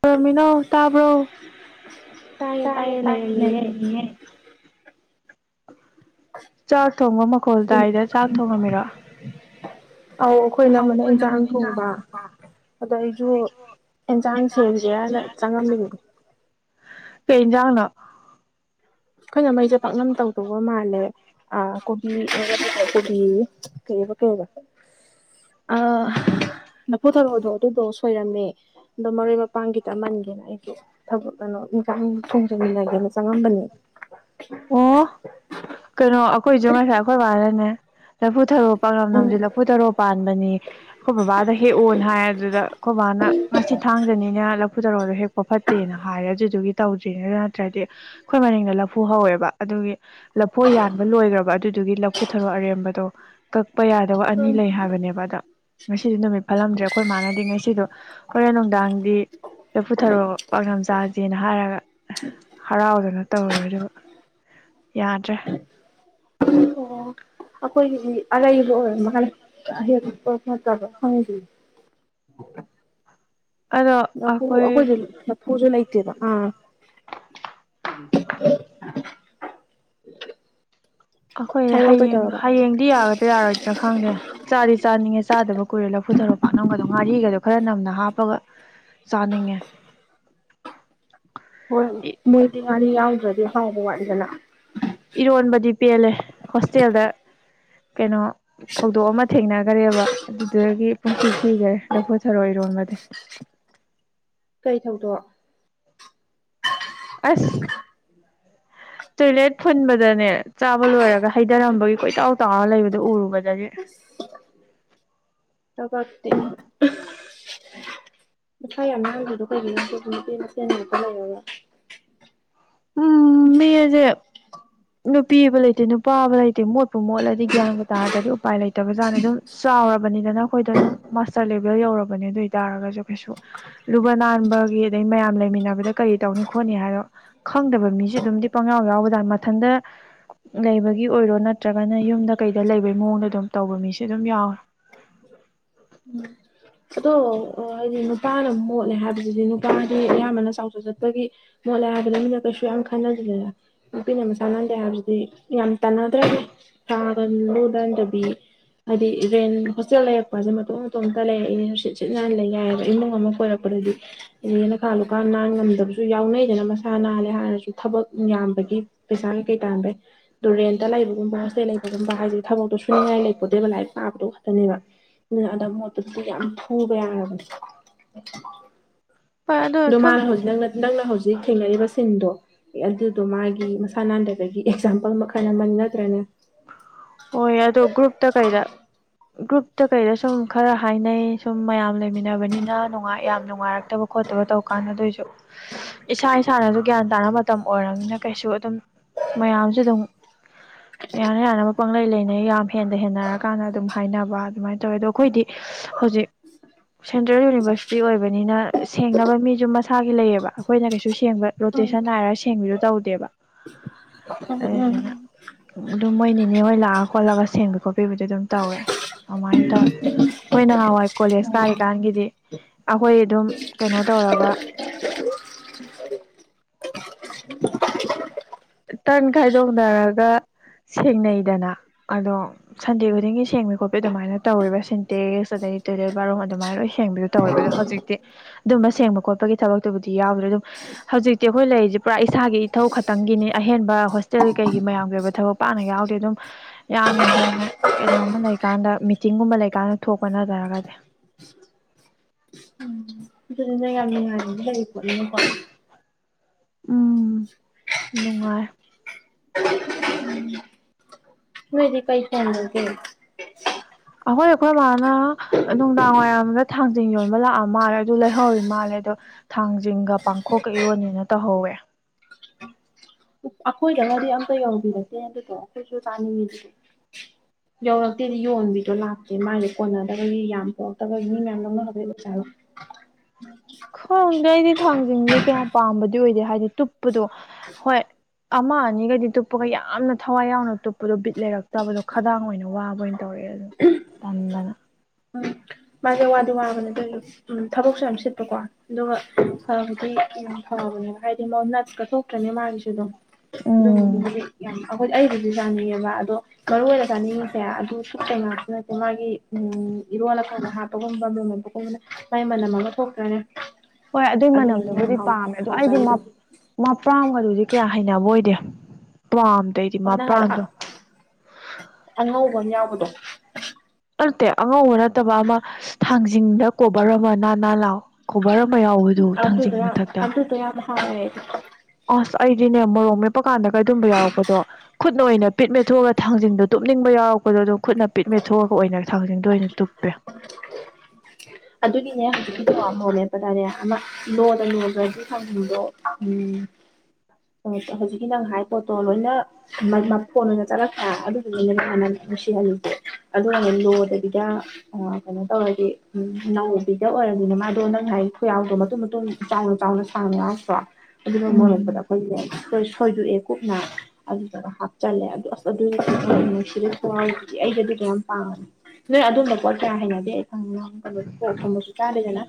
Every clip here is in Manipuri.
ꯄꯔꯃꯤꯅꯣ ꯇꯥꯕ꯭ꯔꯣ ꯇꯥꯏꯌꯦ ꯇꯥꯌꯦ ꯇꯥꯏꯌꯦ ꯇꯥꯌꯦ ꯂꯩꯔꯝꯃꯤꯌꯦ ꯂꯩꯔꯝꯃꯤꯅꯦ ꯆꯥꯛ ꯊꯣꯡꯕ ꯃꯈꯣꯜ ꯇꯥꯏꯗ ꯆꯥꯛ ꯊꯣꯡꯉꯝꯃꯤꯔ ꯑꯧ ꯑꯩꯈꯣꯏꯅ ꯏꯃꯅ ꯏꯟꯁꯥꯡ ꯊꯣꯡꯕ ꯑꯗꯣ ꯑꯩꯁꯨ ꯑꯦꯟꯁꯥꯡ ꯁꯦꯝꯁꯦꯔꯅ ꯆꯪꯉꯝꯃꯤ ꯀꯩꯖꯥꯡꯅꯣ ꯑꯩꯈꯣꯏꯅ ꯃꯩꯁꯦ ꯄꯥꯛꯅꯝ ꯇꯧꯗꯧꯕ ꯃꯥꯜꯂꯦ ꯑ ꯀꯣꯕꯤ ꯀꯣꯕꯤꯌꯦ ꯀꯩꯕ ꯀꯩꯕ ꯑ ꯂꯐꯨ ꯊꯔꯣꯗꯣ ꯑꯗꯨꯗꯣ ꯁꯣꯏꯔꯝꯃꯦ ꯑꯗꯣ ꯃꯔꯣꯏ ꯃꯄꯥꯡ ꯈꯤꯇ ꯃꯟꯒꯦꯅ ꯑꯩꯁꯦ ꯊꯕꯛ ꯀꯩꯅꯣ ꯏꯟꯈꯥꯡ ꯊꯣꯡꯖꯟꯅꯒꯦꯅ ꯆꯪꯉꯝꯕꯅꯦ ꯑꯣ ꯀꯩꯅꯣ ꯑꯩꯈꯣꯏꯁꯨ ꯉꯁꯥꯏ ꯑꯩꯈꯣꯏ ꯋꯥꯔꯅꯦ ꯂꯐꯨ ꯊꯔꯣ ꯄꯥꯛꯅꯝꯅꯝꯁ ꯂꯐꯨ ꯇꯔꯣ ꯄꯥꯟꯕꯅꯤ ꯑꯩꯈꯣꯏ ꯕꯕꯥꯗ ꯍꯦꯛꯑꯣꯅ ꯍꯥꯏ ꯑꯗꯨꯗ ꯑꯩꯈꯣꯏ ꯕꯕꯥꯅ ꯉꯁꯤ ꯊꯥꯡꯖꯅꯤꯅ ꯂꯐꯨ ꯇꯧꯔꯛꯗꯣ ꯍꯦꯛꯄ ꯐꯠꯇꯦꯅ ꯍꯔꯗꯒꯤ ꯇꯧꯗ꯭ꯔꯤꯉꯩꯗ ꯅꯠꯇ꯭ꯔꯗꯤ ꯑꯩꯈꯣꯏ ꯃꯅꯤꯡꯗ ꯂꯐꯨ ꯍꯧꯋꯦꯕ ꯑꯗꯨꯒꯤ ꯂꯐꯨ ꯌꯥꯟꯕ ꯂꯣꯏꯈ꯭ꯔꯕ ꯑꯗꯨꯗꯤ ꯑꯗꯨꯒꯤ ꯂꯧꯐꯨꯊꯔꯣ ꯑꯔꯦꯝꯕꯗꯣ ꯀꯛꯄ ꯌꯥꯗꯕ ꯑꯅꯤ ꯂꯩ ꯍꯥꯏꯕꯅꯦꯕ ꯑꯗ ꯉꯁꯤꯁꯨ ꯅꯨꯃꯤꯠ ꯐꯠꯂꯝꯗ꯭ꯔꯦ ꯑꯩꯈꯣꯏ ꯃꯥꯟꯅꯗ ꯉꯁꯤꯗꯣ ꯍꯣꯔꯦꯟ ꯅꯨꯡꯗꯥꯡꯗꯤ ꯂꯐꯨꯊꯔꯣ ꯄꯅꯝꯝ ꯆꯥꯥꯁꯦꯅ ꯍꯥꯏꯔꯒ ꯍꯔꯥꯎꯗꯅ ꯇꯧꯔꯨꯔ ꯑꯗꯨꯒꯕ ꯌꯥꯗ꯭ꯔꯦ ꯑꯣ ꯑꯩꯈꯣꯏꯒꯤꯗꯤ ꯑꯔꯩꯕ ꯑꯣꯏꯔ ꯃꯈ ꯍꯜ ꯑꯦꯛ ꯄꯔꯛꯄ ꯅꯠꯇꯕ ꯈꯪꯉꯤꯁꯤ [inaudible] ꯑꯗꯣ ꯂꯄꯨ ꯑꯩꯈꯣꯏ ꯑꯩꯈꯣꯏꯁꯨ ꯂꯄꯨꯁꯨ ꯂꯩꯇꯦꯗꯣ ꯑꯥ ꯎꯝ ꯑꯩꯈꯣꯏ ꯍꯥꯏꯔꯛꯑꯣ ꯍꯌꯦꯡ ꯀꯩꯗꯧꯔꯕ ꯍꯌꯦꯡꯗꯤ ꯌꯥꯒꯗ꯭ꯔꯥ ꯌꯥꯔꯣꯏꯗ꯭ꯔꯥ ꯈꯪꯗꯦ ꯆꯥꯗꯤ ꯆꯥꯅꯤꯡꯉꯦ ꯆꯥꯗꯕ ꯀꯨꯏꯔꯦ ꯂꯐꯨ ꯊꯔꯣ ꯄꯥꯛꯅꯝꯒꯗꯣ ꯉꯥꯔꯤꯒꯗꯣ ꯈꯔ ꯅꯝꯅ ꯍꯥꯞꯄꯒ ꯆꯥꯅꯤꯡꯉꯦ [inaudible] ꯍꯣꯏ ꯃꯣꯏꯗꯤ ꯉꯥꯔꯤ ꯌꯥꯎꯗ꯭ꯔꯗꯤ ꯍꯥꯎꯕ ꯋꯥꯠꯗꯅ ꯏꯔꯣꯟꯕꯗꯤ ꯄꯦꯜꯂꯦ ꯍꯣꯁꯇꯦꯜꯗ ꯀꯩꯅꯣ ꯊꯧꯗꯣꯛ ꯑꯃ ꯊꯦꯡꯅꯈꯔꯦꯕ ꯑꯗꯨꯗꯒꯤ ꯄꯨꯨꯡꯁꯤ ꯀꯤꯈ꯭ꯔꯦ ꯂꯧꯈꯣꯠꯊꯔꯣ ꯏꯔꯣꯟꯕ [unintelligible] ꯀꯩ ꯊꯧꯗꯣꯛ ꯑꯁ ꯇꯣꯏꯂꯦꯠ ꯐꯨꯟꯕꯗꯅꯦ ꯆꯥꯕ ꯂꯣꯏꯔꯒ ꯍꯩꯊꯔꯝꯕꯒꯤ ꯀꯣꯏꯇꯥꯎ ꯇꯥꯎꯔ ꯂꯩꯕꯗꯨꯣ ꯎꯔꯨꯕꯗꯗꯒꯤ [unintelligible] ꯇ ꯀꯞꯇ ꯉꯁ ꯌꯥꯝ ꯃꯥꯡꯗꯗꯣ ꯑꯩꯈꯒꯤ ꯁꯦꯕꯒ ꯂꯩꯔꯒ ꯎꯝ ꯃꯖꯦ ꯅꯨꯄꯤꯕ ꯂꯩꯇꯦ ꯅꯨꯄꯥꯕ ꯂꯩꯇꯦ ꯃꯣꯠꯄꯨ ꯃꯣꯠꯂꯗꯤ ꯒ꯭ꯌꯥꯟꯕꯨ ꯇꯥꯔꯗꯤ ꯎꯄꯥꯏ ꯂꯩꯇꯕꯖꯥꯠꯅꯤ ꯑꯗꯨꯝ ꯆꯥꯎꯔꯕꯅꯤꯅ ꯑꯩꯈꯣꯏꯗ ꯑꯗꯨꯝ ꯃꯥꯁꯇꯔ ꯂꯦꯚꯦꯜ ꯌꯧꯔꯕꯅꯦ ꯑꯗꯨ ꯑꯣꯏ ꯇꯔꯒꯁꯨ ꯀꯩꯁꯨ ꯂꯨꯕ ꯅꯥꯟꯕ ꯑꯗꯩ ꯃꯌꯥꯝ ꯂꯩꯃꯤꯟꯅꯕꯗ ꯀꯔꯤ ꯇꯧꯅꯤ ꯈꯣꯠꯅꯤ ꯍꯥꯏꯔꯣ ꯈꯪꯗꯕ ꯃꯤꯁꯨ ꯑꯗꯨꯝꯗꯤ ꯄꯪꯉꯎ ꯌꯥꯎꯒꯗ ꯃꯊꯟꯇ ꯂꯩꯕꯒꯤ ꯑꯣꯏꯔꯣ ꯅꯠꯇ꯭ꯔꯒꯅ ꯌꯨꯝꯗ ꯀꯩꯗ ꯂꯩꯕꯩ ꯃꯑꯣꯡꯗ ꯑꯗꯨꯝ ꯇꯧꯕ ꯃꯤꯁꯦ ꯑꯗꯨꯝ ꯌꯥꯎꯋꯦ [unintelligible] ꯎꯝ ꯑꯗꯣ ꯍꯥꯏꯗꯤ ꯅꯨꯄꯥꯅ ꯃꯣꯠꯂꯦ ꯍꯥꯏꯕꯁꯤꯗꯤ ꯅꯨꯄꯥꯒꯤ ꯑꯌꯥꯝꯕꯅ ꯆꯥꯎꯖ ꯆꯠꯄꯒꯤ ꯃꯣꯠ ꯂ ꯍꯥꯏꯕꯗ ꯃꯤꯅ ꯀꯩꯁꯨ ꯌꯥꯝ ꯈꯟꯅꯗꯂꯦꯗ ꯅꯨꯄꯤꯅ ꯃꯁꯥꯅꯍꯗꯦ ꯍꯥꯏꯕꯁꯤꯗꯤ ꯌꯥꯝ ꯇꯥꯟꯅꯗ꯭ꯔꯕꯅꯤ ꯊꯥꯒ ꯂꯨꯗꯟꯗꯕꯤ ꯍꯥꯏꯗꯤ ꯔꯦꯟ ꯍꯣꯁꯇꯦꯜ ꯂꯩꯔꯛꯄꯁꯦ ꯃꯇ ꯃꯇꯇ ꯂꯩꯔꯛꯏꯦ ꯠ ꯁꯤꯠ ꯅꯥꯟ ꯂꯩ ꯌꯥꯏꯑꯕ ꯏꯃꯨꯡ ꯑꯃ ꯀꯣꯏꯔꯛꯄꯗꯗꯤ ꯌꯦ ꯅꯀꯥ ꯂꯨꯀꯥ ꯅꯥꯟ ꯉꯝꯗꯕꯁꯨ ꯌꯥꯎꯅꯩꯗꯅ ꯄꯁꯥ ꯅꯥꯜꯂꯦ ꯍꯥꯏꯔꯁꯨ ꯊꯕꯛ ꯌꯥꯝꯕꯒꯤ ꯄꯩꯁꯥ ꯀꯩ ꯇꯥꯟꯕꯩ ꯑꯗꯨꯗꯨꯨꯔꯦꯟꯇ ꯂꯩꯕꯒꯨꯝꯕ ꯍꯣꯁꯇꯦ ꯂꯩꯕꯒꯨꯝꯕ ꯍꯥꯏꯁꯤꯗꯤ ꯊꯕꯛꯇꯣ ꯁꯨꯅꯤꯡꯉꯥꯏ ꯂꯩꯄꯣꯗꯦꯕ ꯂꯥꯏꯔꯤꯛ ꯄꯥꯕꯗꯣ ꯅꯦꯕ ꯑꯗ ꯃꯣꯠꯠꯇꯁꯨ ꯌꯥꯝ ꯄꯨꯕ ꯌꯥꯔꯕꯅꯦ ꯍꯣꯏ ꯑꯗꯣ ꯃꯥꯅ ꯁꯨꯝ ꯍꯧꯖꯤꯛꯅ ꯅꯪꯅ ꯍꯧꯖꯤꯛ ꯍꯧꯖꯤꯛ ꯊꯦꯡꯅꯔꯤꯕ ꯁꯤꯟꯗꯣ ꯑꯗꯨꯗꯣ ꯃꯥꯒꯤ ꯃꯁꯥ ꯅꯥꯟꯗꯕꯒꯤ ꯑꯦꯛꯖꯥꯝꯄꯜ ꯃꯈꯜ ꯑꯃꯅꯤ ꯅꯠꯇ꯭ꯔꯅꯦ ꯎꯝ ꯑꯣ ꯑ ꯑꯗꯨꯣ ꯭ꯔꯨꯨꯞ ꯇ ꯀꯩꯗ ꯒ꯭ꯔꯨꯞꯇ ꯀꯩꯗ ꯁꯨꯝ ꯈꯔ ꯍꯥꯏꯅꯩ ꯁꯨꯝ ꯃꯌꯥꯝ ꯂꯩꯃꯤꯟꯅꯕꯅꯤꯅ ꯅꯨꯡꯉ ꯌꯥꯝ ꯅꯨꯡꯉꯥꯏꯔꯛꯦ ꯐꯠꯇꯕ ꯈꯣꯠꯇꯕ ꯇꯧ ꯀꯥꯟꯅ ꯑꯗꯨꯣꯏꯁꯨ ꯏꯁꯥ ꯏꯁꯥꯅꯁꯨ ꯒ꯭ꯌꯥꯟ ꯇꯥꯅ ꯃꯇꯝ ꯑꯣꯏꯔꯕꯅꯤꯅ ꯀꯩꯁꯨ ꯑꯗꯨꯝ ꯃꯌꯥꯝꯁꯨ ꯑꯗꯨꯝ ꯍ ꯌꯥꯔꯦ ꯑꯅ ꯄꯪꯪꯂꯩ ꯂꯩꯅꯩ ꯌꯥꯝ ꯍꯦꯟꯅ ꯍꯦꯟꯅꯔ ꯀꯥꯟꯗ ꯑꯗꯨꯝ ꯍꯥꯏꯅꯕ ꯑꯗꯨꯃꯥꯏꯅ ꯇꯧꯋꯦ ꯑꯗꯣ ꯑꯩꯈꯣꯏꯗꯤ ꯍꯧꯖꯤꯛ ꯁꯦꯟꯇ꯭ꯔꯦꯜ ꯌꯨꯅꯤꯚꯔꯁꯤꯇꯤ ꯑꯣꯏꯕꯅꯤꯅ ꯁꯦꯡꯅꯕ ꯃꯤꯁꯨ ꯃꯁꯥꯒꯤ ꯂꯩꯌꯦꯕ ꯑꯩꯈꯣꯏꯅ ꯀꯩꯁꯨ ꯁꯦꯡꯕ ꯔꯣꯇꯦꯁꯟ ꯅꯥꯔꯒ ꯁꯦꯡꯕꯁꯨ ꯇꯧꯗꯦꯕ ꯎ ꯎꯝ ꯎꯝ ꯑꯗꯨꯝ ꯃꯣꯏ ꯅꯤꯅꯦ ꯍꯣꯏ ꯂꯥꯛꯑ ꯈꯣꯠꯂꯒ ꯁꯦꯝꯕꯤ ꯈꯣꯠꯄꯤꯕꯗꯤ ꯑꯗꯨꯝ ꯇꯧꯋꯦ ꯑꯗꯨꯃꯥꯏꯅ ꯇꯧꯋꯦ ꯑꯩꯈꯣꯏ ꯅꯍꯥꯟꯋꯥꯏ ꯀꯣꯂꯦꯖ ꯀꯥꯔꯤꯀꯥꯟꯒꯤꯗꯤ ꯑꯩꯈꯣꯏ ꯑꯗꯨꯝ ꯀꯩꯅꯣ ꯇꯧꯔꯒ [unintelligible] ꯇꯟ ꯈꯥꯏꯗꯣꯛꯅꯔꯒ ꯁꯦꯡꯅꯩꯗꯅ ꯑꯗꯣ ꯁꯟꯗꯦ ꯈꯨꯗꯤꯡꯒꯤ ꯁꯦꯡꯕ ꯈꯣꯠꯄꯤ ꯑꯗꯨꯃꯥꯏꯅ ꯇꯧꯋꯦꯕ ꯁꯤꯟꯇꯦꯛꯁ ꯑꯗꯩ ꯇꯣꯏꯂꯦꯠ ꯕꯥꯠꯔꯨꯝ ꯑꯗꯨꯃꯥꯏꯅ ꯂꯣꯏ ꯁꯦꯡꯕꯗꯨ ꯇꯧꯋꯦꯕ ꯑꯗꯣ ꯍꯧꯖꯤꯛꯇꯤ ꯑꯗꯨꯝꯕ ꯁꯦꯡꯕ ꯈꯣꯠꯄꯒꯤ ꯊꯕꯛꯇꯨꯕꯨꯗꯤ ꯌꯥꯎꯗ꯭ꯔꯦ ꯑꯗꯨꯝ ꯍꯧꯖꯤꯛꯇꯤ ꯑꯩꯈꯣꯏ ꯂꯩꯔꯤꯁꯦ ꯄꯨꯔꯥ ꯏꯁꯥꯒꯤ ꯏꯊꯧ ꯈꯛꯇꯪꯒꯤꯅꯤ ꯑꯍꯦꯟꯕ ꯍꯣꯁꯇꯦꯜ ꯀꯩꯒꯤ ꯃꯌꯥꯝꯒꯤ ꯑꯣꯏꯕ ꯊꯕꯛ ꯄꯥꯛꯅ ꯌꯥꯎꯗꯦ ꯑꯗꯨꯝ ꯌꯥꯝꯅ ꯍꯦꯟꯅ ꯀꯩꯅꯣꯝꯃ ꯂꯩꯀꯥꯟꯗ ꯃꯤꯇꯤꯡꯒꯨꯝꯕ ꯂꯩꯀꯥꯟꯗ ꯊꯣꯛꯄ ꯅꯠꯇꯔꯒꯗꯤ ꯎꯝ ꯉ ꯂꯩꯅ [unintelligible] ꯎꯝ ꯅꯨꯡꯉꯥꯏ ꯃꯗꯤ ꯄꯩꯁꯥꯅꯒ ꯑꯩꯈꯣꯏ ꯑꯩꯈꯣꯏ ꯃꯥꯃꯅ ꯅꯨꯡꯗꯥꯡ ꯋꯥꯏꯔꯝꯗ ꯊꯥꯡꯖꯤꯡ ꯌꯣꯟꯕ ꯂꯥꯛꯑ ꯃꯥꯜꯂꯦ ꯑꯗꯨ ꯂꯩꯍꯧꯔꯤ ꯃꯥꯜꯂꯦ ꯗ ꯊꯥꯡꯖꯤꯡꯒ ꯄꯥꯡꯊꯣꯛꯀ ꯏꯔꯣꯅꯤꯅ ꯇꯧꯍꯧꯋꯦ ꯑꯩꯈꯣꯏꯗꯅꯗꯤ ꯑꯝꯇ ꯌꯧꯕꯤꯔꯀꯦ ꯑꯗꯨꯗꯣ ꯑꯩꯈꯣꯏꯁꯨ ꯆꯥꯅꯤꯡꯉꯤꯗꯨꯗꯤ ꯌꯧꯔꯛꯇꯦꯗꯤ ꯌꯣꯟꯕꯤꯗꯣ ꯂꯥꯛꯇꯦ ꯃꯥꯏꯁꯦ ꯀꯣꯟꯅꯗꯕꯒꯤ ꯌꯥꯝ ꯄꯣꯛ ꯇꯕꯥ ꯏ ꯃꯌꯥꯝꯔꯝꯅ ꯍꯒꯁꯣ ꯈꯪꯗꯦ ꯑꯩꯗꯤ ꯊꯥꯡꯁꯤꯡꯁꯦ ꯀꯌꯥꯝ ꯄꯥꯝꯕꯗꯤ ꯑꯣꯏꯗꯦ ꯍꯥꯏꯗꯤ ꯇꯨꯞꯄꯗꯣ ꯍꯣꯏ ꯑꯃ ꯑꯅꯤꯈꯩꯗꯤ ꯇꯨꯞꯄꯒ ꯌꯥꯝꯅ ꯊꯋꯥꯏ ꯌꯥꯎꯅ ꯇꯨꯞꯄꯗꯣ ꯕꯤꯠ ꯂꯩꯔꯛꯇꯕꯗꯣ ꯈꯗꯥꯡ ꯑꯣꯏꯅ ꯋꯥꯕ ꯑꯣꯏꯅ ꯇꯧꯔꯦ ꯑꯗꯨ ꯇꯜꯗꯅ ꯃꯥꯥꯏꯦ ꯋꯥꯗꯤ ꯋꯕꯅꯦ [unintelligible] ꯊꯕꯛꯁꯨ ꯌꯥꯝ ꯁꯤꯠꯄꯀꯣ ꯑꯗꯨꯒ ꯐꯕꯗꯤ ꯌꯥꯝ ꯐꯕꯅꯦꯕ ꯍꯥꯏꯗꯤ ꯃ ꯅꯠꯁꯀ ꯊꯣꯛꯇ꯭ꯔꯅꯤ ꯃꯥꯥꯡꯒꯤꯁꯤꯗꯣ ꯎꯝ ꯑꯗꯨꯝꯗꯨꯗꯤ ꯌꯥꯝ ꯑꯩꯈꯣꯏ ꯑꯩꯗꯨꯁꯨ ꯆꯥꯅꯤꯡꯑꯦꯕ ꯑꯗꯣ ꯃꯔꯨ ꯑꯣꯏꯅ ꯆꯥꯅꯤꯡꯉꯤꯁꯦ ꯑꯗꯨ ꯁꯨꯠꯇ ꯉꯥꯛꯇ ꯅꯠꯇꯦ ꯃꯥꯒꯤ ꯎꯝ ꯏꯔꯣꯜꯂꯀꯥꯟꯗ ꯍꯥꯞꯄꯒꯨꯝꯕ ꯂꯣꯝꯃꯛꯄꯒꯨꯝꯕꯅ ꯃꯥꯏ ꯃꯅꯝ ꯑꯃ ꯊꯣꯛꯇ꯭ꯔꯅꯤ ꯍꯣꯏ ꯑꯗꯨꯏ ꯃꯅꯝꯗꯨꯕꯨꯗꯤ ꯄꯥꯝꯃꯦ ꯑꯗꯣ ꯑꯩꯗꯤ ꯍꯥꯎꯖꯔꯤꯗꯣ ꯃꯄꯥ꯭ꯔꯝꯒ ꯍꯧꯛ ꯀꯌꯥ ꯍꯩꯅꯕ ꯑꯣꯏꯗꯦ ꯄ꯭ꯔꯥꯝꯗꯩꯗꯤ ꯃꯥ ꯃꯥꯅ ꯍꯥꯏꯔ ꯄ꯭ꯔꯥꯝꯗꯣ ꯑꯉꯧꯕ ꯌꯥꯎꯕꯗꯣ ꯅꯠꯇꯦ ꯑꯉꯧꯕ ꯅꯠꯇꯕ ꯑꯃ ꯊꯥꯡꯖꯤꯡꯗ ꯀꯣꯕꯔ ꯑꯃ ꯅꯥꯜ ꯅꯥꯜ ꯂꯥꯑꯣ ꯀꯣꯕꯔ ꯑꯃ ꯑꯃ ꯌꯥꯎꯕꯗꯨ ꯊꯥꯡꯖꯤꯡ ꯑꯗꯨꯗꯣ ꯌꯥꯝ ꯃꯊꯛꯇ ꯑꯗꯨꯗꯣ ꯌꯥꯝ ꯍꯥꯎꯋꯦ ꯑꯁ ꯑꯩꯗꯤꯅꯦ ꯃꯣꯔꯣ ꯃ ꯇꯨꯞꯞꯄ ꯀꯥꯟꯗ ꯀꯩꯗꯨꯝꯝꯕ ꯌꯥꯎꯔꯛꯄꯗꯣ ꯈꯨꯠꯅ ꯑꯣꯏꯅ ꯄꯤꯠ ꯃꯦꯠꯊꯣꯛꯑꯒ ꯊꯥꯡꯖꯟꯗꯣ ꯇꯨꯞꯅꯤꯡꯕ ꯌꯥꯎꯔꯛꯄꯗꯣ ꯑꯗꯨ ꯈꯨꯠꯅ ꯄꯤꯠ ꯃꯦꯊꯣꯛꯣ ꯊꯁꯤꯡꯗ ꯑꯣꯏꯅ ꯇꯨꯞꯄꯦ ꯍꯥꯏꯠꯄ ꯇꯥꯔꯦ ꯑꯃ ꯂꯣꯗ ꯂꯣꯒ꯭ꯔꯗꯤ ꯊꯥꯡꯖꯤꯡꯗꯣ ꯎꯝ ꯍꯧꯖꯤꯛꯀꯤ ꯅꯪ ꯍꯥꯏ ꯄꯣꯠꯇꯣ ꯂꯣꯏꯅ ꯐꯣꯟ ꯑꯣꯏꯅ ꯆꯠꯂꯛꯄ꯭ꯔ ꯑꯗꯨꯗꯨꯅꯦ ꯍꯥꯟꯅ ꯅꯨꯁꯤꯍꯜꯂꯤꯁꯦ ꯑꯗꯨꯅ ꯂꯣꯗꯕꯤꯗ ꯎ ꯅꯧꯕꯤꯗ ꯑꯣꯏꯔꯕꯅꯤꯅ ꯃꯥꯗꯣ ꯅꯪ ꯉ ꯈꯨꯌꯥꯎꯗꯣ ꯃꯇꯨꯝ ꯃꯇꯨꯝ ꯆꯥꯎꯅ ꯆꯥꯎꯅ ꯁꯥꯡꯅ ꯌꯥꯎꯔꯛꯇ꯭ꯔꯣ ꯑꯗꯨꯅ ꯃꯩꯔꯣꯛꯄꯗ ꯎꯝ ꯑꯈꯣꯏꯒꯤꯅꯦ [unintelligible] ꯊꯣꯏꯗꯣꯛꯑꯦ ꯀꯨꯞꯅ ꯑꯗꯨꯗꯨꯒ ꯍꯥꯞꯆꯜꯂꯦ ꯑꯗꯨꯗ ꯑꯁ ꯑꯗꯨꯒꯤ ꯅꯨꯡꯁꯤꯗ ꯈꯨꯍꯥꯎꯗꯨꯗꯤ ꯑꯩꯒꯗꯤ ꯌꯥꯝ ꯄꯥꯝ ꯅꯣꯏ ꯑꯝꯕ ꯄꯣꯠ ꯀꯌꯥ ꯍꯩꯅꯗꯦ ꯑꯩ ꯈꯪ ꯀꯣꯛ ꯊꯨꯝꯕꯁꯨ ꯆꯥꯗꯦꯗꯅ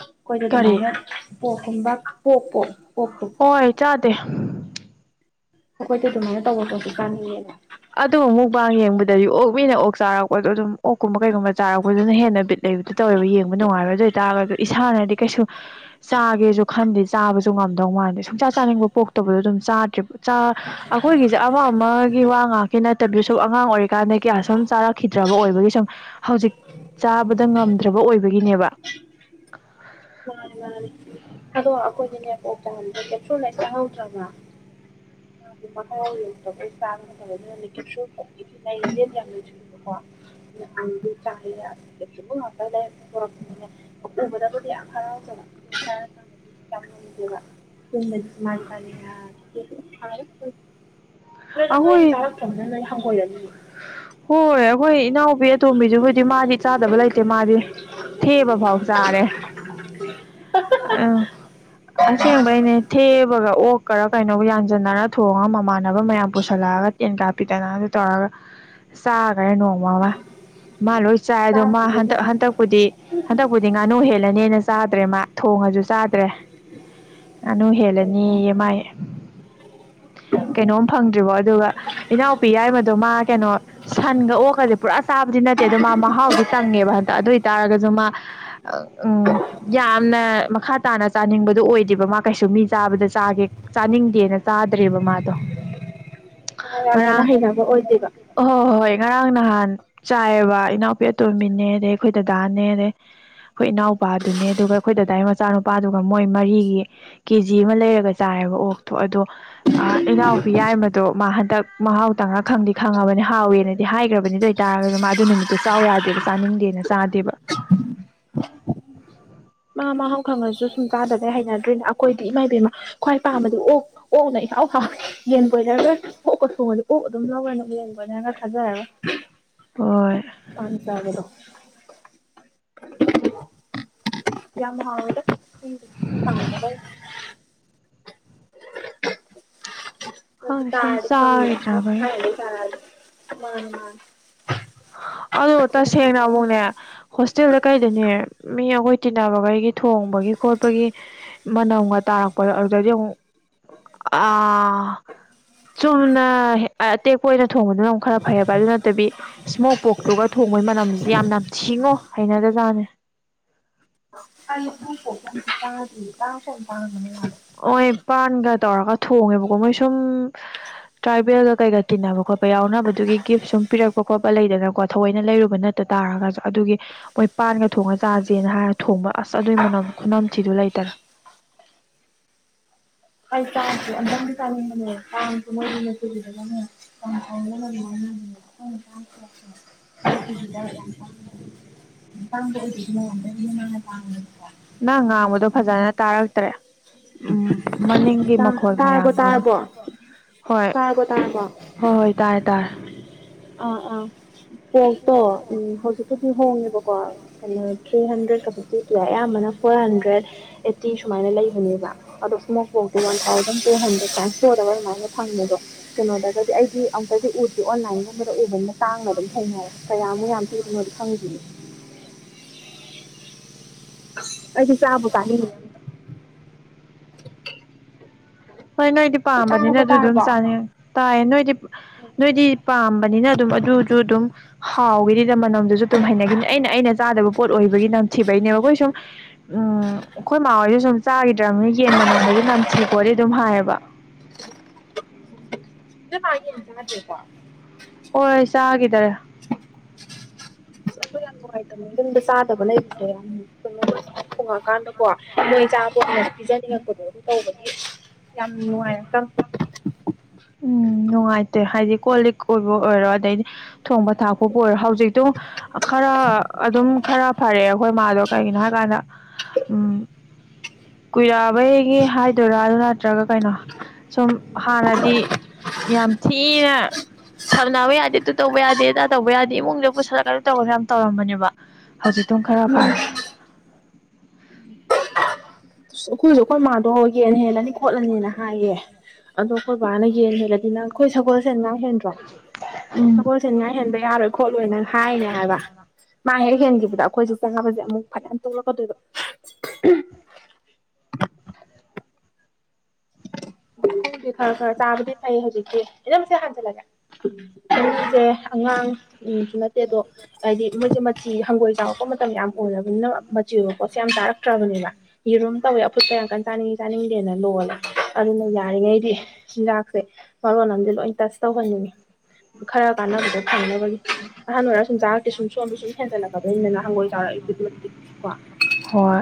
ꯑꯩꯈꯣꯏꯗꯤ ꯀꯔꯤ ꯑꯗꯨꯃꯥꯏꯅ ꯄꯣꯛꯀꯨꯝꯕ ꯄꯣꯛꯄꯣ ꯍꯣꯏ ꯆꯥꯗꯦ ꯑꯩꯈꯣꯏꯗꯤ ꯑꯗꯨꯃꯥꯏꯅ ꯇꯧꯕ ꯆꯗꯤ ꯀꯥꯟꯅꯌꯦꯕ ꯑꯗꯨ ꯃꯨꯛꯕꯥ ꯌꯦꯡꯕꯗꯗꯤ ꯑꯣꯛ ꯃꯤꯅ ꯑꯣꯛ ꯆꯥꯔꯛꯄꯗꯣ ꯑꯗꯨꯝ ꯑꯣꯛꯀꯨꯝꯕ ꯀꯩꯒꯨꯝꯕ ꯆꯥꯔꯛꯄꯗꯨꯅ ꯍꯦꯟꯅ ꯕꯤꯠ ꯂꯩꯕꯗ ꯇꯧꯋꯦꯕ ꯌꯦꯡꯕ ꯅꯨꯡꯉꯥꯏꯔꯕ ꯑꯗꯨ ꯑꯣꯏꯇꯥꯔꯒꯗꯤ ꯏꯁꯥꯅꯗꯤ ꯀꯩꯁꯨ ꯆꯥꯒꯦꯁꯨ ꯈꯟꯗꯦ ꯆꯥꯕꯁꯨ ꯉꯝꯗꯧ ꯃꯥꯟꯗꯦ ꯁꯨꯡꯆꯥꯥ ꯆꯥꯅꯤꯡꯕ ꯄꯣꯛꯇꯕꯗꯣ ꯑꯗꯨꯝ ꯥꯗ꯭ ꯑꯩꯈꯣꯏꯒꯤꯁꯦ ꯑꯃ ꯑꯃꯒꯤ ꯋꯥ ꯉ ꯀꯩ ꯅꯠꯇꯕꯤꯁꯨ ꯁꯨꯝ ꯑꯉꯥꯡ ꯑꯣꯏꯔꯤꯀꯥꯟꯗ ꯀꯌꯥ ꯁꯨꯝ ꯆꯥꯔꯛꯈꯤꯗ꯭ꯔꯕ ꯑꯣꯏꯕꯒꯤ ꯁꯨꯝ ꯍꯧꯖꯤꯛ ꯆꯥꯕꯗ ꯉꯝꯗ꯭ꯔꯕ ꯑꯣꯏꯕꯒꯤꯅꯦꯕ ꯃꯥꯅꯤ ꯃꯥꯅꯤ ꯑꯗꯣꯈꯣꯏꯗꯅꯦꯦ꯭ꯔꯦ ꯄꯦꯇ꯭ꯔꯣꯜꯥꯏꯇ ꯍꯗ꯭ꯔꯕ [unintelligible] [inaudible] ꯗꯤ ꯃꯍꯥꯎ ꯌꯦꯡꯗꯕ ꯀꯩ ꯆꯥꯕꯅꯠꯇꯕ ꯑꯗꯨꯅꯦꯟ ꯌꯥꯝ ꯂꯣꯏꯊꯣꯛꯑꯦꯕꯀꯣ ꯑ ꯆꯥ ꯀ ꯉꯠꯇꯦ ꯄꯨ ꯎꯕꯗꯕꯨꯗꯤ ꯌꯥꯝ ꯍꯔꯥꯎ ꯆ ꯍꯥꯏꯔ ꯀꯥꯟꯗꯗꯤ ꯌꯥꯝ ꯉꯅꯨꯡꯗꯦꯕ ꯇꯥꯅꯤꯡꯌꯥ ꯑꯗꯨ꯭ꯔꯗ ꯅꯣꯏꯅ ꯑꯩꯈꯣꯏ ꯇꯥꯔꯈ꯭ꯔꯕꯅ ꯅꯣꯏ ꯍꯪꯒꯣꯏꯔꯝꯅꯤ ꯍꯣꯏ ꯑꯩꯈꯣꯏ ꯏꯅꯥꯎꯕꯤ ꯑꯇꯣꯝꯕꯤꯁꯨ ꯍꯖꯤꯗꯤ ꯃꯥꯗꯤ ꯆꯥꯗꯕ ꯂꯩꯇꯦ ꯃꯥꯗꯤ ꯊꯦꯕ ꯐꯥꯎ ꯆꯥꯔꯦ ꯑ ꯑꯁꯦꯡꯕꯩꯅꯦ ꯊꯦꯕꯒ ꯑꯣꯛꯀꯔ ꯀꯩꯅꯣꯒ ꯌꯥꯟꯁꯤꯟꯅꯔ ꯊꯣꯡꯉꯒ ꯃꯃꯥꯟꯅꯕ ꯃꯌꯥꯝ ꯄꯨꯁꯜꯂꯛꯑꯒ ꯇꯦꯟꯀꯥꯞꯄꯤꯗꯅ ꯑꯗꯨ ꯇꯧꯔꯒ ꯆꯥꯈꯔꯦ ꯅꯣꯡꯃ ꯑꯃ ꯃꯥ ꯂꯣꯏ ꯆꯥꯏ ꯑꯗꯣ ꯃꯥ ꯍꯟꯛ ꯆꯥꯗ꯭ꯔꯤꯕꯩ ꯍꯟꯗꯛꯄꯨꯗꯤ ꯍꯟꯗꯛꯄꯨꯗꯤ ꯉꯥꯅꯨ ꯍꯦꯜꯂꯅꯦꯅ ꯆꯥ ꯆꯠꯇ꯭ꯔꯦ ꯃꯥ ꯊꯣꯡꯉꯁꯨ ꯆꯥꯗ꯭ꯔꯦ ꯉꯥꯅꯨ ꯍꯦꯜꯂꯅꯤ ꯃꯥꯏ ꯀꯩꯅꯣ ꯊꯟꯒ ꯑꯣꯛꯀꯁꯦ ꯄꯨꯔꯥ ꯆꯥꯕꯗꯤ ꯅꯠꯇꯦ ꯑꯗꯣ ꯃꯥ ꯃꯍꯥꯎꯗꯤ ꯇꯪꯉꯦꯕ ꯍꯟꯇ ꯑꯗꯨ ꯑꯣꯏꯇꯥꯔꯒꯁꯨ ꯃꯥ ꯎꯝ ꯌꯥꯝꯅ ꯃꯈꯥ ꯇꯥꯅ ꯆꯥꯅꯤꯡꯕꯗꯨꯣ ꯑꯣꯏꯗꯦꯕ ꯃꯥ ꯀꯩꯁꯨ ꯃꯤ ꯆꯥꯕꯗ ꯆꯥꯒꯦꯥ ꯪꯗꯦꯅ ꯆꯥꯗ꯭ꯔꯦꯕ ꯃꯥꯗꯣ ꯑꯣ ꯌꯥꯝ ꯀꯟꯅ ꯔ ꯍꯩꯅꯕ ꯑꯣꯏꯗꯦꯕ ꯍ ꯍꯣꯏ ꯉꯔꯥꯡ ꯅꯍꯥꯟ ꯆꯥꯏꯔꯕ ꯏꯅꯥꯎꯄꯤ ꯑꯇꯣꯝꯕꯤꯅꯦ ꯑꯗꯩ ꯑꯩꯈꯣꯏ ꯗꯗꯥꯅꯦ ꯑꯗꯩ ꯑꯩꯈꯣꯏ ꯏꯅꯥꯎꯄꯥꯗꯨꯅꯦ ꯑꯗꯨꯒ ꯑꯩꯈꯣꯏ ꯗꯗꯥꯏ ꯃꯆꯥꯅꯨꯄꯥꯗꯨꯒ ꯃꯣꯏ ꯃꯔꯤꯒꯤ ꯀꯦ ꯖꯤ ꯑꯃ ꯂꯩꯔꯒ ꯆꯥꯔꯦ ꯍꯥꯏꯕ ꯑꯣꯛꯇꯣ ꯑꯗꯣ ꯏꯅꯥꯎ ꯌꯥꯏ ꯃꯗꯣ ꯃꯥ ꯍꯟꯗꯛ ꯃꯍꯥꯎ ꯇꯪꯅ ꯈꯪꯗꯤ ꯈꯪꯉꯕꯅꯤ ꯍꯥꯎꯋꯦꯅꯗꯤ ꯍꯥꯏꯈ꯭ꯔꯕꯅꯤ ꯑꯗꯨ ꯑꯣꯏꯇꯥꯔꯒꯁꯨ ꯃꯥꯗꯨ ꯅꯨꯃꯤꯠ ꯑꯗꯨ ꯆꯥꯎ ꯌꯥꯗꯦꯕ ꯆꯥꯅꯤꯡꯗꯦꯅ ꯆꯥꯗꯦꯕ [unintelligible] [unintelligible] ꯈꯪꯉꯒꯁꯨ ꯁꯨꯝ ꯆꯥꯗꯕꯩ ꯍꯩꯅꯗ꯭ꯔꯣꯏꯅ ꯑꯩꯈꯣꯏꯗꯤ ꯏꯃꯥꯕꯦꯝꯃ ꯈ꯭ꯋꯥꯏ ꯄꯥꯝꯕꯗꯤ ꯑꯣ ꯑꯣꯛꯅꯩ ꯍꯥꯎ ꯍꯥꯎ ꯌꯦꯟ ꯀꯣꯏꯗꯔꯒꯔ ꯑꯣꯛꯀ ꯁꯣꯛꯉꯁ ꯑꯣꯛ ꯑꯗꯨꯝ ꯂꯧꯔꯣꯏꯅꯨ ꯌꯦꯟ ꯀꯣꯏꯅꯔꯒꯔ ꯊꯥꯖꯒ ꯍꯣꯏ [unintelligible] ꯄꯒꯗꯣ ꯌꯥ ꯃꯣꯗ [unintelligible] ꯈꯪꯗꯦ ꯁꯨꯝ ꯇꯗ ꯈꯪꯅꯤ ꯆꯥꯈꯤꯗ꯭ꯔꯕꯒꯤ ꯍꯥꯏꯥꯏꯅꯤ ꯄꯔ ꯃꯥ ꯃꯥ ꯑꯗꯨ ꯇꯁꯦꯡꯅ ꯑꯃꯨꯛꯅꯦ ꯍꯣꯁꯇꯦꯜꯗ ꯀꯩꯗꯅꯦ ꯃꯤ ꯑꯩꯈꯣꯏ ꯆꯤꯟꯅꯕꯈꯩꯒꯤ ꯊꯣꯡꯕꯒꯤ ꯈꯣꯠꯄꯒꯤ ꯃꯅꯝꯒ ꯇꯥꯔꯛꯄꯗꯣ ꯑꯗꯨꯗꯗꯤ ꯑꯃꯨꯛ ꯑ ꯆꯨꯝꯅ ꯑꯇꯦꯛꯄ ꯑꯣꯏꯅ ꯊꯣꯡꯕꯗꯨꯅꯨꯛ ꯈꯔ ꯐꯩꯑꯕ ꯑꯗꯨ ꯅꯠꯇꯕꯤ ꯑꯗꯨꯒ ꯊꯣꯡꯕꯩ ꯃꯅꯝꯁꯤꯗꯤ ꯌꯥꯝꯅ ꯊꯁꯤꯡꯉꯣ ꯍꯩꯅꯗꯖꯥꯠꯅꯦ ꯀ ꯇꯥ ꯇꯥꯡ ꯇꯥꯡ ꯍꯣꯏ ꯄꯥꯟꯒ ꯇꯧꯔꯒ ꯊꯣꯡꯉꯦꯕꯀꯣ ꯃꯣꯏ ꯁꯨꯝ ꯇ꯭ꯔꯥꯏꯕꯦꯜꯒ ꯀꯩꯒ ꯇꯤꯟꯅꯕ ꯈꯣꯠꯄ ꯌꯥꯎꯅꯕꯗꯨꯒꯤ ꯒꯤꯐ ꯁꯨꯝ ꯄꯤꯔꯛꯄ ꯈꯣꯠꯄ ꯂꯩꯗꯅꯀꯣ ꯊꯑꯣꯏꯅ ꯂꯩꯔꯨꯕ ꯅꯠꯇ ꯇꯥꯔꯒꯁꯨ ꯑꯗꯨꯒꯤ ꯃꯣꯏ ꯄꯥꯟꯒ ꯊꯣꯡꯉ ꯆꯥꯥꯁꯦꯅ ꯍꯥꯏꯔ ꯊꯣꯡꯕ ꯑꯁ ꯑꯗꯨꯏ ꯃꯅꯝ ꯈꯨꯅꯝꯊꯤꯗꯨ ꯂꯩꯇꯔꯦ [unintelligible] ꯑꯩ ꯇꯥꯡꯁꯦ ꯑꯝꯇꯪꯗꯤ ꯆꯥꯅꯤꯡꯕꯅꯦ ꯇꯥꯡꯁ ꯃꯣꯏꯗ ꯎꯝ ꯏ ꯀ ꯇꯥꯉꯦ ꯅꯪ ꯉꯥꯡꯕꯗꯣ ꯐꯖꯅ ꯇꯥꯔꯛꯇ꯭ꯔꯦ ꯎꯝ ꯃꯅꯤꯡꯒꯤ ꯇꯥꯡꯕ ꯃꯈꯣꯜ ꯇꯥꯔꯕꯣ ꯃꯌꯥꯝꯗꯨꯅ ꯇꯥꯔꯕꯣ ꯍꯣꯏ ꯇꯥꯔꯕꯣ ꯇꯥꯔꯕꯣ ꯍꯣꯏ ꯍꯣꯏ ꯇꯥꯔꯦ ꯇꯥꯏꯦ ꯑ ꯑ ꯀꯣ ꯇꯣ ꯎꯝ ꯍꯧꯖꯤꯛꯛꯇ ꯍꯣꯡꯉꯦꯕꯀꯣ ꯀꯩꯅ ꯊ꯭ꯔꯤ ꯍꯟꯗ꯭ꯔꯦꯠꯀ ꯐꯤꯇꯤ ꯀꯌꯥ ꯑꯌꯥꯝꯕꯅ ꯐꯣꯔ ꯍꯟꯗ꯭ꯔꯦꯗ ꯑꯩꯠꯇꯤ ꯁꯨꯃꯥꯏꯅ ꯂꯩꯕꯅꯦꯕ ꯑꯗꯣ ꯏꯁꯣꯛ ꯕꯣꯛꯇꯣ ꯋꯥꯟ ꯊꯥꯎꯖꯟ ꯇꯨ ꯍꯟꯗ꯭ꯔꯦꯗ ꯐꯣꯔꯒ ꯑꯗꯨꯃꯥꯏꯅ ꯐꯪꯕꯗꯣ ꯀꯩꯅ ꯗꯤ ꯑꯩꯗꯤ ꯑꯨꯛꯇ ꯎꯔꯁꯦ ꯑꯣꯟꯂꯥꯏ ꯗ ꯎꯕꯗ ꯇꯥꯡꯅ ꯑꯗꯨꯝ ꯊꯦꯡꯅꯔꯦ ꯀꯌꯥꯃꯨꯛ ꯌꯥꯝ ꯄꯤꯗꯅꯣ ꯑꯗꯨ ꯐꯪꯈꯤꯅꯤ ꯑꯩꯁꯨ ꯆꯥꯕ ꯀꯥꯗ ꯍꯣꯏ ꯅꯣꯏꯗꯤ ꯄꯥꯝꯕꯅꯤꯅ ꯑꯗꯨ ꯑꯗꯨꯝ ꯇꯥꯔꯕꯣ ꯆꯥꯅꯤꯡꯉ ꯇꯥꯏꯌꯦ ꯅꯣꯏꯗꯤ ꯅꯣꯏꯗꯤ ꯄꯥꯝꯕꯅꯤꯅ ꯑꯗꯨꯝ ꯑꯗꯨꯝ ꯍꯥꯎꯒꯤꯗꯤꯗ ꯃꯅꯝꯗꯨꯁꯨ ꯑꯗꯨꯨꯝ ꯍꯩꯅꯈꯤꯅꯤ ꯑꯩꯅ ꯑꯩꯅ ꯆꯥꯗꯕ ꯄꯣꯠ ꯑꯣꯏꯕꯒꯤ ꯅꯝꯊꯤꯕꯩꯅꯦꯕ ꯑꯩꯈꯣꯏ ꯁꯨꯝ ꯎ ꯎꯝ ꯑꯩꯈꯣꯏ ꯃꯥꯥ ꯍꯣꯏꯁꯨ ꯁꯨꯝ ꯆꯥꯈꯤꯗ꯭ꯔꯕꯅꯤ ꯌꯦꯟ ꯃꯅꯣꯡꯒꯗꯤ ꯅꯝꯊꯤ ꯈꯣꯠꯜꯂꯤ ꯑꯗꯨꯝ ꯍꯥꯏꯌꯦꯕ ꯏ ꯀꯦꯄ ꯍꯣꯏ ꯆꯥꯈꯤꯗꯔꯦ ꯑꯗꯨ ꯌꯥꯝ ꯅꯨꯡꯉꯥꯏꯇꯕꯅꯦ ꯌꯨꯝꯗ ꯆꯥꯗꯕ ꯂꯩꯕꯁꯦ ꯌꯥꯝ ꯊꯣꯡꯉꯀꯥꯟꯗ ꯀꯣ ꯃꯣꯏ ꯆꯥꯕ ꯀꯅ ꯄꯤꯖꯅꯤꯡꯉꯛꯄꯗꯣ ꯑꯗꯨꯝ ꯇꯧꯕꯒꯤ ꯌꯥꯝ ꯅꯨꯡꯉꯥꯏꯔꯀꯇꯕꯅꯦ ꯎꯝ ꯅꯨꯡꯉꯥꯏꯇꯦ ꯍꯥꯏꯗꯤ ꯀꯣꯜ ꯂꯤꯛ ꯀꯣꯏꯕ ꯑꯣꯏꯔꯣ ꯑꯗꯩꯗꯤ ꯫ ꯊꯣꯡꯕ ꯊꯥꯛꯄꯨꯕꯨ ꯑꯣꯏꯔꯣ ꯍꯧꯖꯤꯛꯇꯣ ꯈꯔ ꯑꯗꯨꯝ ꯈꯔ ꯐꯔꯦꯑꯦ ꯑꯩꯈꯣꯏ ꯃꯥꯗꯣ ꯀꯩꯒꯤꯅꯣ ꯍꯥꯏꯀꯥꯟꯗ ꯎꯝ ꯀꯨꯏꯔꯛꯑꯕꯩꯒꯤ ꯍꯥꯏꯗꯣꯏꯔꯥ ꯑꯗꯨ ꯅꯠꯇ꯭ꯔꯒ ꯀꯩꯅꯣ ꯁꯨꯝ ꯍꯥꯟꯅꯗꯤ ꯌꯥꯝ ꯊꯤꯅ ꯁꯝꯅꯕ ꯌꯥꯗꯦ ꯇꯨ ꯇꯧꯕ ꯌꯥꯗꯦ ꯇꯗꯥ ꯇꯧꯕ ꯌꯥꯗꯦ ꯏꯃꯨꯡꯗ ꯄꯨꯁꯜꯂꯛꯒꯅ ꯇꯧꯔꯁꯨ ꯌꯥꯝ ꯇꯧꯔꯝꯕꯅꯦꯕ ꯍꯧꯖꯤꯛꯇꯣ ꯈꯔ ꯐꯔꯦ ꯎꯝ [inaudible] ꯑꯩꯈꯣꯏꯁꯨ ꯑꯩꯈꯣꯏ ꯃꯥꯗꯣ ꯍꯒꯦꯅ ꯍꯦꯜꯂꯅꯤ ꯈꯣꯠꯂꯅꯤꯅ ꯍꯥꯏꯌꯦ ꯑꯗꯣ ꯑꯩꯈꯣꯏ ꯕꯕꯥꯅ ꯌꯦꯟꯗꯔꯗꯤ ꯅꯪ ꯑꯩꯈꯣꯏ ꯁꯒꯣꯜꯁꯦ ꯉꯥ ꯍꯦꯟꯗ꯭ꯔꯣ ꯎꯝ ꯁꯒꯣꯜꯁꯦ ꯉꯥꯏ ꯍꯦꯟꯕ ꯌꯥꯔꯣꯏ ꯈꯣꯠꯂꯣꯏꯅ ꯍꯥꯏꯅꯦ ꯍꯥꯏꯕ ꯃꯥ ꯍꯦꯛ ꯍꯦꯟꯈꯤꯕꯗ ꯑꯩꯈꯣꯏꯁꯦ ꯆꯪꯉꯕꯁꯦ ꯑꯃꯨꯛ ꯐꯅꯌꯥꯝ ꯇꯣꯛꯂꯛꯀꯗꯣꯏꯕ [inaudible] ꯗꯤ ꯈꯔ ꯈꯔ ꯆꯥꯕꯗꯤ ꯐꯥꯏ ꯍꯧꯖꯤꯛꯀꯤ ꯑꯦꯗꯣꯝꯆꯥ ꯍꯥꯟꯖꯂꯒꯦ ꯑꯩꯁꯦ ꯑꯉꯥꯡꯁꯨ ꯅꯠꯇꯦ ꯑꯗꯣ ꯍꯥꯏꯗꯤ ꯃꯣꯏꯁꯦ ꯃꯊꯤ ꯍꯪꯒꯣꯏ ꯆꯥꯉꯛꯄ ꯃꯇꯝ ꯌꯥꯝ ꯑꯣꯏꯔꯕꯅꯤꯅ ꯃꯆꯤ ꯑꯣꯏꯕ ꯄꯣꯠꯁꯦ ꯌꯥꯝ ꯆꯥꯔꯛꯇ꯭ꯔꯕꯅꯦꯕ ꯌꯦꯔꯨꯝ ꯇꯧꯋꯦ ꯑꯐꯨꯠ ꯀ ꯌꯥꯝ ꯀꯟ ꯆꯥꯅꯤꯡꯉꯤ ꯆꯥꯅꯤꯡꯗꯦ ꯑꯩꯅ ꯂꯣꯂꯦ ꯑꯗꯨꯅ ꯌꯥꯔꯤꯉꯩꯗꯤ ꯍꯤꯟꯖꯥꯛꯁꯦ ꯃꯔꯣꯟ ꯑꯃꯗꯤ ꯂꯣꯏ ꯇꯆ ꯇꯧꯍꯟꯅꯤꯡꯉꯤ ꯈꯔ ꯀꯥꯟꯅꯕꯗꯣ ꯐꯪꯅꯕꯒꯤ ꯑꯍꯟ ꯑꯣꯏꯔ ꯁꯨꯝ ꯆꯥꯔꯛꯇꯦ ꯁꯨꯝ ꯁꯣꯝꯗ ꯁꯨꯝ ꯍꯦꯟꯖꯜꯂꯛꯕꯅꯤꯅ ꯍꯪꯒꯣꯏ ꯆꯥꯔꯛꯏꯕ ꯈꯨꯗꯤꯡꯛꯇꯤ ꯀꯣ ꯍꯣꯏ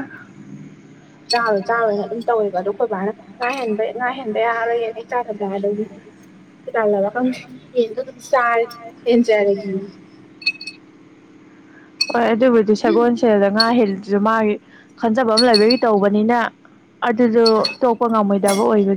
ꯆꯥꯔꯣ ꯆꯥꯔꯣꯏꯅ ꯑꯗꯨꯝ ꯇꯧꯋꯦꯕ ꯑꯗꯣ ꯑꯩꯈꯣꯏ ꯕꯥꯅ ꯉꯥꯍꯦꯟꯕ ꯉꯥꯍꯦꯟꯕ ꯌꯥꯔꯣꯏꯌꯦ ꯅ ꯆꯥꯗꯕ ꯑꯗꯒꯤ ꯀꯗꯪꯂꯥꯕꯥ ꯈꯪꯗꯦ ꯌꯦꯟꯗꯣ ꯑꯗꯨꯝ ꯆꯔ ꯍꯦꯟꯖꯔꯒꯤ [inaudible] ꯍꯣꯏ ꯑꯗꯨꯕꯨꯗꯤ ꯁꯒꯣꯜꯁꯦꯜꯗ ꯉꯥ ꯍꯦꯜꯗꯨꯁꯨ ꯃꯥꯒꯤ ꯈꯟꯖꯕ ꯑꯃ ꯂꯩꯕꯒꯤ ꯇꯧꯕꯅꯤꯅ ꯑꯗꯨꯗꯣ ꯇꯣꯛꯄ ꯉꯝꯃꯣꯏꯗꯕ ꯑꯣꯏꯕꯒꯤ